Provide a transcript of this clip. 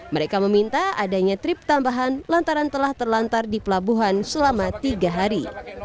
mereka meminta adanya trip tambahan lantaran telah terlantar di pelabuhan selama tiga hari